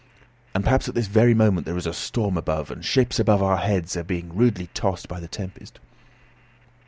"And perhaps at this very moment there is a storm above, and ships over our heads are being rudely tossed by the tempest."